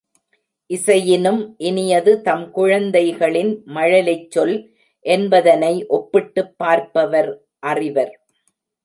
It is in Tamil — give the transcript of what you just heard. இசையினும் இனியது தம் குழந்தைகளின் மழலைச்சொல் என்பதனை ஒப்பிட்டுப் பார்ப்பவர் அறிவர்.